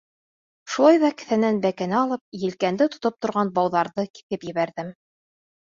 Шулай ҙа кеҫәнән бәкене алып, елкәнде тотоп торған бауҙарҙы киҫеп ебәрҙем.